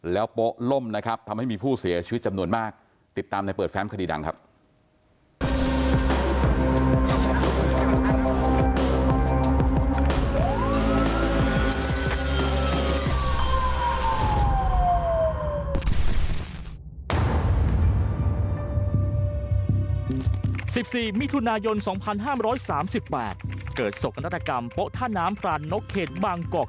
แล้วโป๊ะล่มนะครับทำให้มีผู้เสียชีวิตจำนวนมากติดตามในเปิดแฟมคดีดังครับ